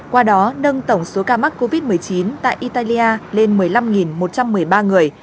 qua đó nâng tổng số ca mắc covid một mươi chín tại italia lên một mươi năm một trăm một mươi ba người